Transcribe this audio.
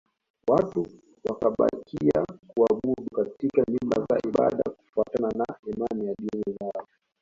Watu wakabakia kuabudu katika nyumba za ibada kufuatana na imani ya dini zao